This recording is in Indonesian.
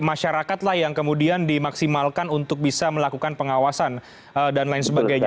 masyarakatlah yang kemudian dimaksimalkan untuk bisa melakukan pengawasan dan lain sebagainya